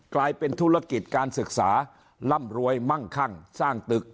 กลายเป็นธุรกิจการศึกษาร่ำรวยมั่งคั่งสร้างตึก